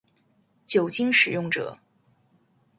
酒精使用者